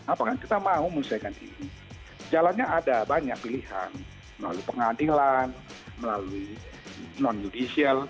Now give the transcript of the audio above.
apakah kita mau menyelesaikan ini jalannya ada banyak pilihan melalui pengadilan melalui non judicial